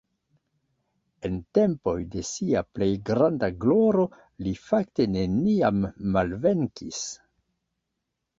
En tempoj de sia plej granda gloro li fakte neniam malvenkis.